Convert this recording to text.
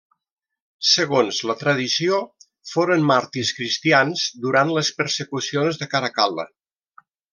Segons la tradició, foren màrtirs cristians durant les persecucions de Caracal·la.